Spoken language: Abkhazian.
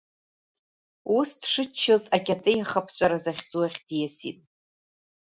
Ус дшыччоз, акьатеиахԥҵәара захьӡу ахь диасит.